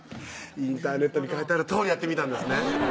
インターネットに書いてあるとおりやってみたんですね